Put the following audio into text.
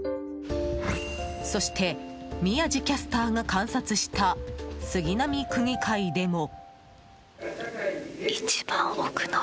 そして、宮司キャスターが観察した杉並区議会でも。